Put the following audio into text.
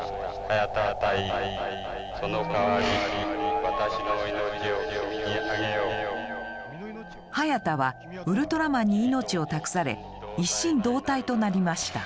ハヤタはウルトラマンに命を託され一心同体となりました。